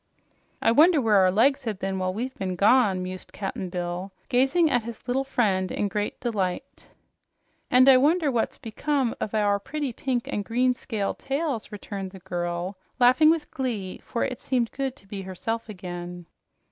"I wonder where our legs have been while we've been gone?" mused Cap'n Bill, gazing at his little friend in great delight. "And I wonder what's become of our pretty pink and green scaled tails!" returned the girl, laughing with glee, for it seemed good to be herself again.